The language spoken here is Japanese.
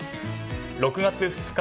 ６月２日